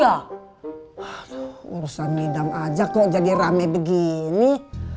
aduh urusan hidam aja kok jadi rame begini